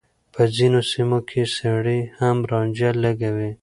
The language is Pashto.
په ځينو سيمو کې سړي هم رانجه لګوي.